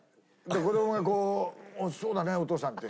子供が「そうだねお父さん」って。